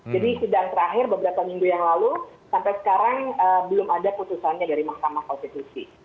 jadi sedang terakhir beberapa minggu yang lalu sampai sekarang belum ada putusannya dari mahkamah konstitusi